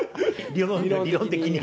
理論的に。